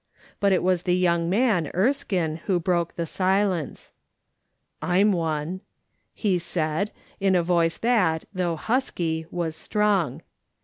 But it was the young man, Erskine, who broke the silence :" I'm one," he said, in a voice that, though husky, was strong.